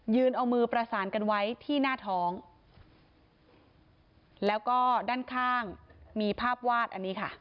เอามือประสานกันไว้ที่หน้าท้องแล้วก็ด้านข้างมีภาพวาดอันนี้ค่ะ